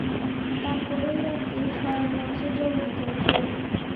তার পরেই রাত্রে শয়নমঞ্চের যবনিকা উঠল।